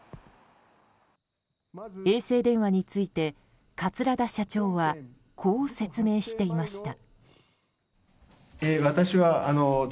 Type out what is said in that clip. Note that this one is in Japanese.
衛星電話について桂田社長はこう説明していました。